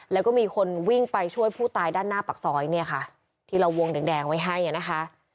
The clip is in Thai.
แล้วก็มีคนวิ่งไปช่วยผู้ตายด้านหน้าปากซอยเนี่ยค่ะที่เราวงแดงไว้ให้อ่ะนะคะ